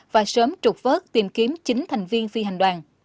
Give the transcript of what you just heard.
và sớm trục vớt tìm kiếm chín thành viên phi hành đoàn